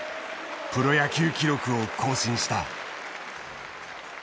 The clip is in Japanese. プロ野球記録を更新した。